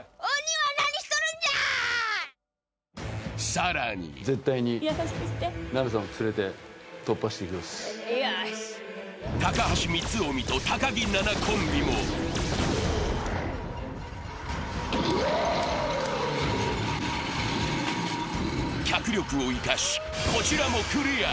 更にそして、高橋光臣と高木菜那コンビも脚力を生かし、こちらもクリア。